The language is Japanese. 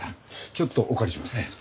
ちょっとお借りします。